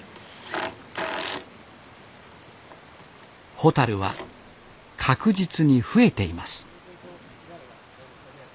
ホタルは確実に増えています